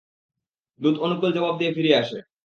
দূত অনুকূল জবাব নিয়ে ফিরে আসে।